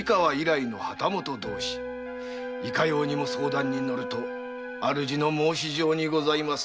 いかようにも相談に乗ると主の申し状にございます。